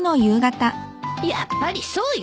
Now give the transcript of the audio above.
やっぱりそうよ。